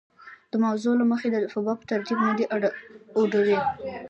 د موضوع له مخې د الفبا په ترتیب نه دي اوډلي.